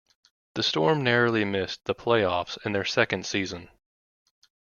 The Storm narrowly missed the playoffs in their second season.